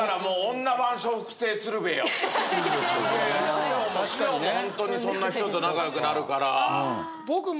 師匠もホントにそんな人と仲良くなるから。